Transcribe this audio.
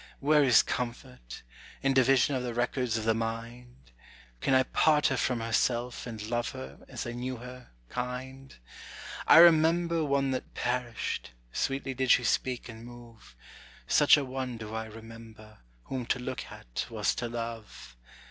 Where is comfort? in division of the records of the mind? Can I part her from herself, and love her, as I knew her, kind? I remember one that perished; sweetly did she speak and move; Such a one do I remember, whom to look at was to love.